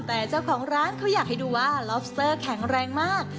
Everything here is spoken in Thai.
แต่เจ้าของร้านเขาอยากให้ดูว่าลอบสเตอร์แข็งแรงมาก